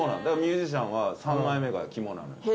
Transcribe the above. だからミュージシャンは３枚目が肝なの。